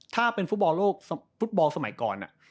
ถ้าเป็นฟุตบอลสมัยก่อน